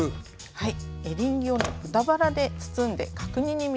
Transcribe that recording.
はい。